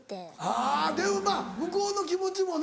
あぁでもまぁ向こうの気持ちもな。